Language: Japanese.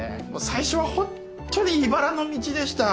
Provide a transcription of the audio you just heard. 最初はホンットにいばらの道でした。